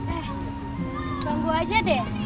eh ganggu aja deh